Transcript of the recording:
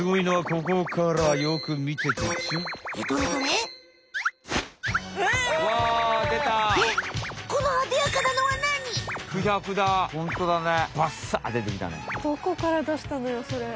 どこからだしたのよそれ？